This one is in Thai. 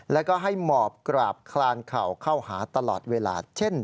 แล้วก็ให้หมอบกราบคลานเข่าเข้าหาตลอดเวลาเช่น